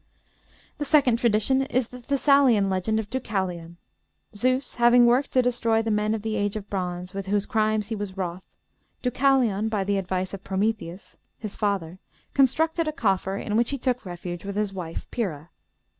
"The second tradition is the Thessalian legend of Deucalion. Zeus having worked to destroy the men of the age of bronze, with whose crimes he was wroth, Deucalion, by the advice of Prometheus, his father, constructed a coffer, in which he took refuge with his wife, Pyrrha.